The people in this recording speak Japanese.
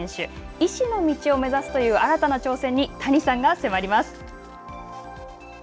医師の道を目指すという新たな挑戦に谷さんが迫ります。